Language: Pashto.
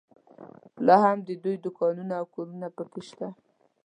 لا هم د دوی دوکانونه او کورونه په کې شته.